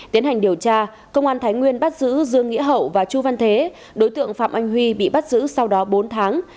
tiến hành điều tra công an thái nguyên bắt giữ dương nghĩa hậu và chu văn thế đối tượng phạm anh huy bị bắt giữ sau đó bốn tháng